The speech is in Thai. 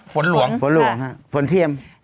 ฝนหลวงครับฝนเทียมฝนหลวงฝนหลวง